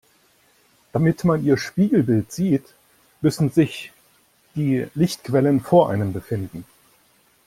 Damit man ihr Spiegelbild sieht, müssen sich die Lichtquellen vor einem befinden.